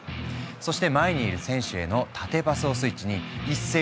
そして前にいる選手への縦パスをスイッチに一斉に攻めあがる。